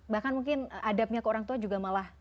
bahkan mungkin adabnya ke orang tua juga malah